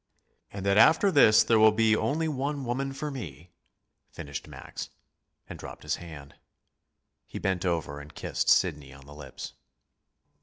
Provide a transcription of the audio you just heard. " and that after this there will be only one woman for me," finished Max, and dropped his hand. He bent over and kissed Sidney on the lips.